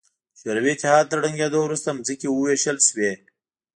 د شوروي اتحاد تر ړنګېدو وروسته ځمکې ووېشل شوې.